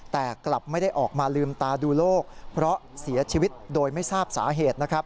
แต่กลับไม่ได้ออกมาลืมตาดูโลกเพราะเสียชีวิตโดยไม่ทราบสาเหตุนะครับ